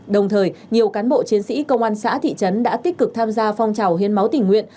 đồng thời nhiều cán bộ chiến sĩ công an xã thị trấn đã tích cực tham gia phong trào hiến máu tình nguyện